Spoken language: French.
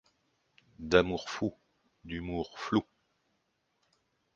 D'amour fou, d'humour flou.